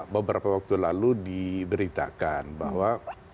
beberapa waktu lalu diberitakan bahwa